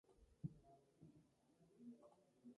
Anteriormente fue presa ocasional del hombre de Neandertal.